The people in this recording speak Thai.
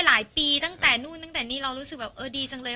หลายปีตั้งแต่นู่นตั้งแต่นี่เรารู้สึกแบบเออดีจังเลย